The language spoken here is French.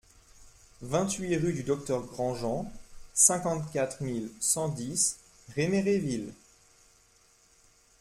vingt-huit rue du Docteur Grandjean, cinquante-quatre mille cent dix Réméréville